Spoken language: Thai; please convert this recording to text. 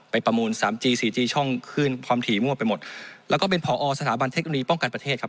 ประมูลสามจีสี่จีช่องขึ้นพร้อมถี่มั่วไปหมดแล้วก็เป็นผอสถาบันเทคโนโลยีป้องกันประเทศครับ